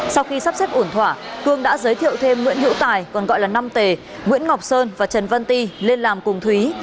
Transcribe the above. sau khi sắp xếp ổn thỏa cương đã giới thiệu thêm nguyễn hữu tài còn gọi là năm t nguyễn ngọc sơn và trần văn ti lên làm cùng thúy